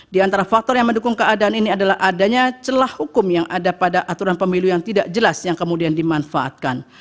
di antara faktor yang mendukung keadaan ini adalah adanya celah hukum yang ada pada aturan pemilu yang tidak jelas yang kemudian dimanfaatkan